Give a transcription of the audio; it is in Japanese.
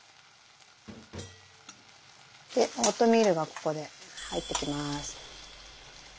でオートミールがここで入ってきます。